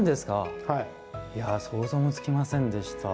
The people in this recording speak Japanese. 想像もつきませんでした。